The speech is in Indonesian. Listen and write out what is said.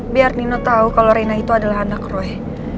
biar nino tahu kalau rina itu adalah anak roy